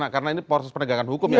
karena ini proses penegakan hukum ya